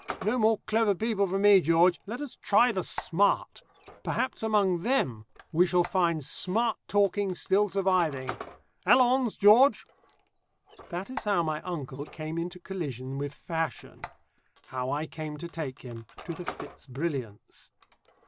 No more clever people for me, George. Let us try the smart. Perhaps among them we shall find smart talking still surviving. Allons, George!" That is how my uncle came into collision with fashion, how I came to take him to the Fitz Brilliants.